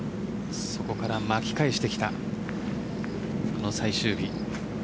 そこから巻き返してきたこの最終日。